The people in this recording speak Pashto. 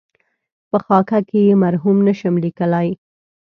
په خاکه کې یې مرحوم نشم لېکلای.